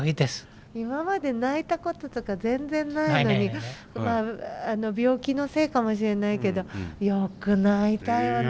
今まで泣いたこととか全然ないのにまあ病気のせいかもしれないけどよく泣いたよね。